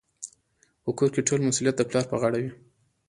په کور کي ټول مسوليت د پلار پر غاړه وي.